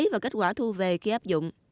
và kết quả thu về khi áp dụng